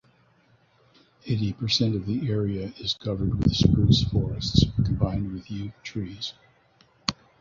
Eighty percent of the area is covered with spruce forests combined with yew trees.